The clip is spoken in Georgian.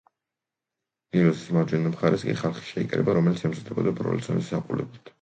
ნილოსის მარჯვენა მხარეს კი ხალხი შეიკრიბა, რომელიც ემზადებოდა ბრძოლის საყურებლად.